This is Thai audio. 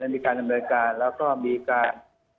มีการดำเนินการแล้วก็มีการ